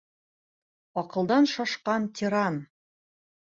Аҡылдан шашҡан тиран!